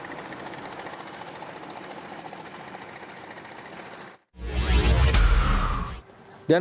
kita akan mencari informasi dari jepang